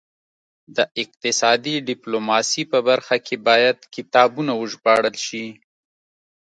د اقتصادي ډیپلوماسي په برخه کې باید کتابونه وژباړل شي